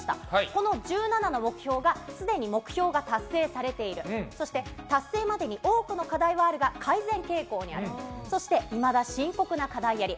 この１７の目標がすでに目標が達成されている、そして達成までに多くの課題はあるが改善傾向にある、そして、いまだ深刻な課題あり。